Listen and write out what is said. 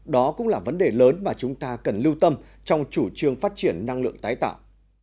đó cũng là vấn đề lớn mà chúng ta cần lưu tâm trong chủ trương phát triển năng lượng tái tạo